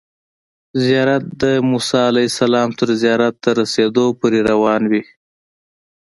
زیارت د موسی علیه السلام تر زیارت ته رسیدو پورې روان وي.